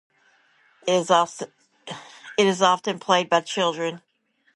It is often played by children.